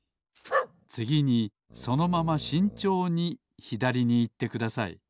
つぎにそのまましんちょうにひだりにいってください